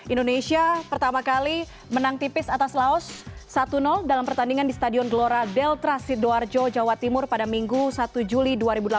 indonesia pertama kali menang tipis atas laos satu dalam pertandingan di stadion gelora delta sidoarjo jawa timur pada minggu satu juli dua ribu delapan belas